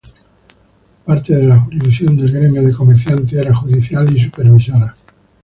Parte de la jurisdicción del gremio de comerciantes era judicial y supervisora.